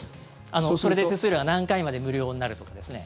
それで、手数料が何回まで無料になるとかですね